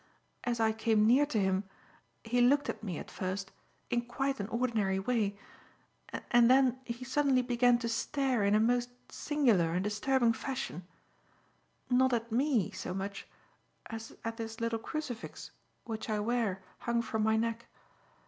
As I came near to him, he looked at me, at first, in quite an ordinary way, and then, he suddenly began to stare in a most singular and disturbing fashion, not at me, so much, as at this little crucifix which I wear hung from my neck.